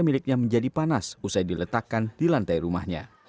miliknya menjadi panas usai diletakkan di lantai rumahnya